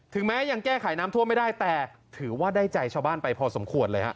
แม้ยังแก้ไขน้ำท่วมไม่ได้แต่ถือว่าได้ใจชาวบ้านไปพอสมควรเลยฮะ